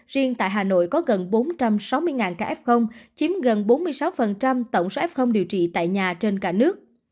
riêng tại hà nội có gần bốn trăm sáu mươi ca f chiếm gần bốn mươi sáu tổng số f điều trị tại nhà trên cả nước